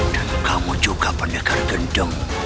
dan kamu juga pendekar gendeng